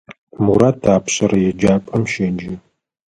Мурат апшъэрэ еджапӏэм щеджэ.